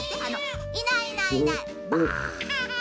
「いないいないいないばあ」。